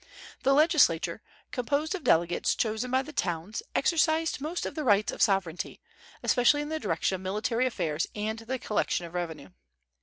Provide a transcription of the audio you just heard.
The Legislature, composed of delegates chosen by the towns, exercised most of the rights of sovereignty, especially in the direction of military affairs and the collection of revenue.